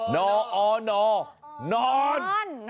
นออนอนอน